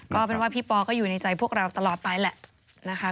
ก็เป็นว่าพี่ปอก็อยู่ในใจพวกเราตลอดไปแหละนะคะ